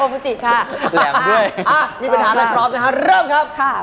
โอโฟทิตค่ะมีปัญหาอะไรครอบได้เริ่มครับ